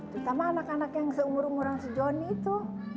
terutama anak anak yang seumur umur sejoni itu